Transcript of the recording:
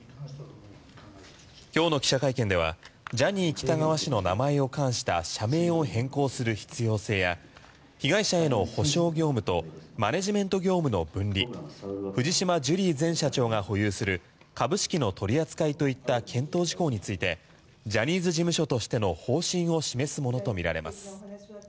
今日の記者会見ではジャニー喜多川氏の名前を冠した社名を変更する必要性や被害者への補償業務とマネジメント業務の分離藤島ジュリー前社長が保有する株式の取り扱いといった検討事項についてジャニーズ事務所としての方針を示すものとみられます。